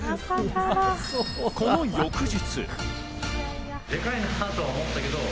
この翌日。